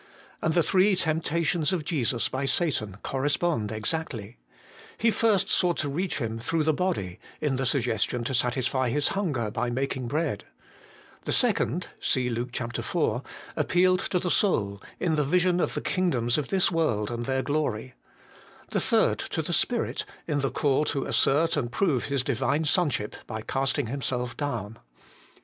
And the three temptations of Jesus by Satan correspond exactly : he first sought to reach Him through the body, in the suggestion to satisfy His hunger by making bread ; the second (see Luke iv.) appealed to the soul, in the vision of the kingdoms of this world and their glory ; the third to the spirit, in the call to assert and prove His Divine Sonship by casting Himself down.